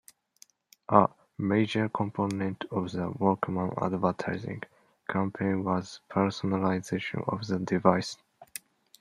A major component of the Walkman advertising campaign was personalization of the device.